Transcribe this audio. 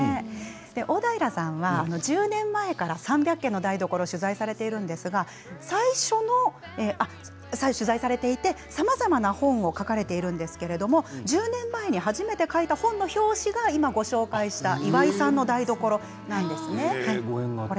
大平さんは、１０年前から３００軒の台所を取材されているんですが取材されていてさまざまな本を書かれているんですが１０年前に初めて書いた本の表紙が今ご紹介した岩井さんの台所なんですね。